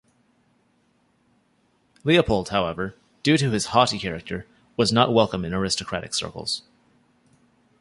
Leopold, however, due to his "haughty" character, was not welcome in aristocratic circles.